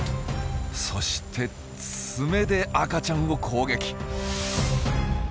そして爪で赤ちゃんを攻撃！